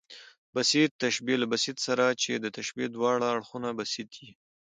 بسیط تشبیه له بسیط سره، چي د تشبیه د واړه اړخونه بسیط يي.